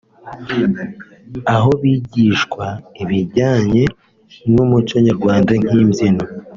aho bigishwa ibijyanye n’umuco Nyarwanda nk’imbyino